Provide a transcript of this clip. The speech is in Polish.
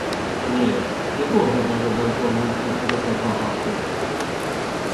Nie, nie było żadnego węzła łączącego te dwa fakty.